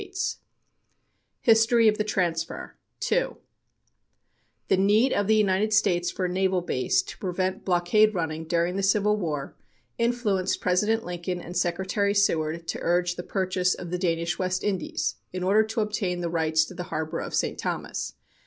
MARINE HEADQUARTERS] THE VIRGIN ISLANDS History of the Transfer TWO The need of the United States for a naval base to prevent blockade running during the Civil War influenced President Lincoln and Secretary Seward to urge the purchase of the Danish West Indies, in order to obtain the rights to the harbor of St. Thomas.